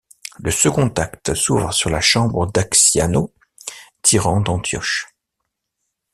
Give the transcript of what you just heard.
Le second acte s'ouvre sur la chambre d'Acciano, tyran d'Antioche.